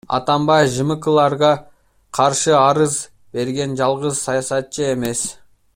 Атамбаев ЖМКларга каршы арыз берген жалгыз саясатчы эмес.